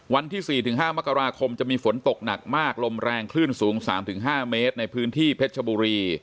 วันที่สี่ถึงห้ามกราคมจะมีฝนตกหนักมากลมแรงคลื่นสูงสามถึงห้าเมตรในพื้นที่เพชรบุรี